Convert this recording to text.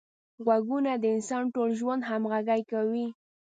غوږونه د انسان ټول ژوند همغږي کوي